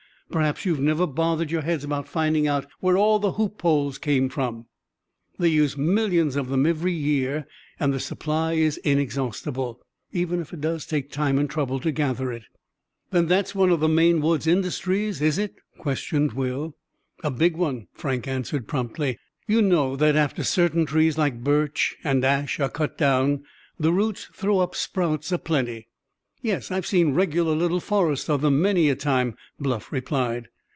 Perhaps you've never bothered your heads about finding out where all the hoop poles come from. They use millions of them every year, and the supply is inexhaustible, even if it does take time and trouble to gather it." "Then that's one of the Maine woods' industries, is it?" questioned Will. "A big one," Frank answered promptly. "You know that after certain trees like birch and ash are cut down, the roots throw up sprouts a plenty." "Yes; I've seen regular little forests of them, many a time," Bluff replied.